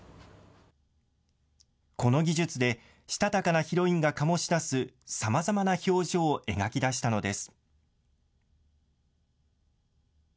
この技術で、したたかなヒロインが醸し出す、さまざまな表情を描き出したのです。